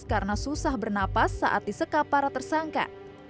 karena susah bernapas saat disekap para tersangka